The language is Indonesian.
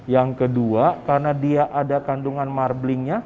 yang kedua karena dia ada kandungan marblingnya